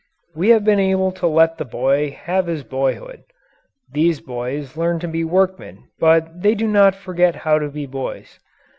We have been able to let the boy have his boyhood. These boys learn to be workmen but they do not forget how to be boys.